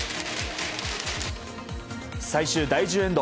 最終第１０エンド。